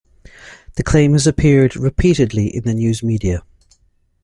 The claim has appeared repeatedly in the news media.